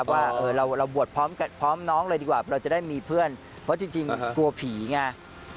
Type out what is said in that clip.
ว่าเราบวชพร้อมน้องเลยดีกว่าเราจะได้มีเพื่อนเพราะจริงกลัวผีไง